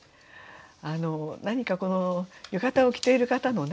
何かこの浴衣を着ている方のね